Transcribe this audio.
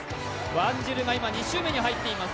ワンジルが今２周目に入っています